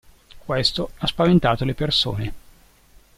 Questo ha spaventato le persone.